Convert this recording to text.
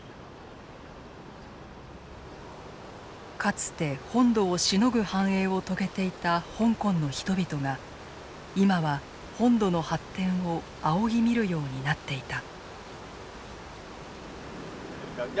かつて本土をしのぐ繁栄を遂げていた香港の人々が今は本土の発展を仰ぎ見るようになっていた。